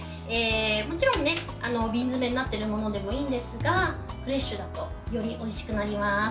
もちろん瓶詰になっているものでもいいんですが、フレッシュだとよりおいしくなります。